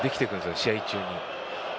試合中に。